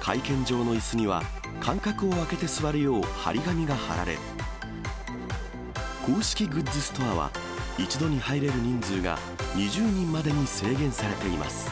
会見場のいすには、間隔を空けて座るよう貼り紙が貼られ、公式グッズストアは、一度に入れる人数が２０人までに制限されています。